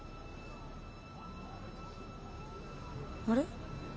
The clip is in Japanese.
あれ？